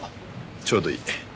ちょうどいい。